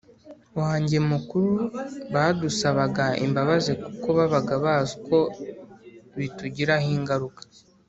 wanjye mukuru badusabaga imbabazi kuko babaga bazi uko bitugiraho ingaruka